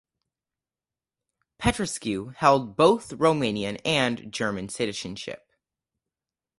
Petrescu held both Romanian and German citizenship.